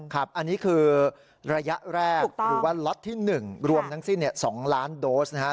ครับอันนี้คือระยะแรกหรือว่าล็อตที่๑รวมทั้งสิ้น๒ล้านโดสนะครับ